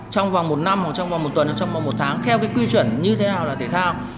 trong vòng một năm hoặc trong vòng một tuần hoặc trong vòng một tháng theo cái quy chuẩn như thế nào là thể thao